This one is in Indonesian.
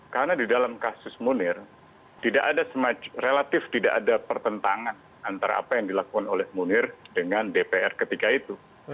karena di dalam kasus munir relatif tidak ada pertentangan antara apa yang dilakukan oleh munir dengan dpr ketika itu